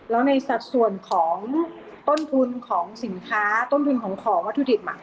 แล้วในสัดส่วนของต้นทุนของสินค้าต้นทุนของวัตถุดิบ